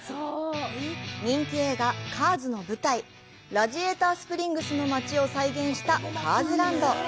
人気映画「カーズ」の舞台、ラジエーター・スプリングスの街を再現したカーズ・ランド。